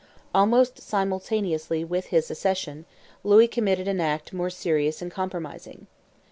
Almost simultaneously with his accession, Louis committed an act more serious and compromising.